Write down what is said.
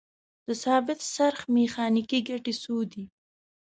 د ثابت څرخ میخانیکي ګټې څو دي؟